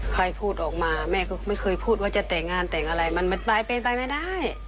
ใครพูดออกมาแม่ก็ไม่เคยพูดว่าจะแต่งงานแต่งอะไรมันไปเป็นไปไม่ได้